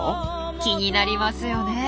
気になりますよねえ。